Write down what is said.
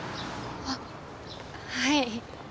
あっはい。